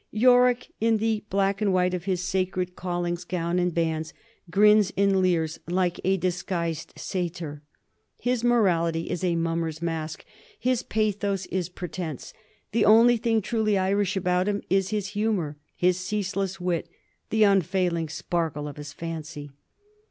Yorick, in the black and white of his sacred calling's gown and bands, grins and leers like a disguised satyr. HU morality ia a mummer's mask ; his pathos is pretence ; the only thing truly Irish about him is his hu mor, his ceaseless wit, the unfailing sparkle of his fancy.